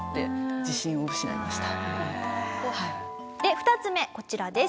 ２つ目こちらです。